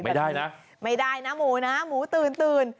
ไม่ได้นะไม่ได้นะหมูนะหมูตื่นตื่น